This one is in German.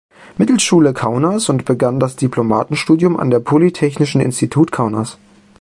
Mittelschule Kaunas und begann das Diplomstudium an dem Polytechnischen Institut Kaunas.